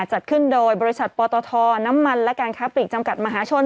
จัดขึ้นโดยบริษัทปตทน้ำมันและการค้าปลีกจำกัดมหาชน